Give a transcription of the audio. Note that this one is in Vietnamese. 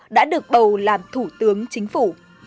đã được bầu làm thủ tướng chính phủ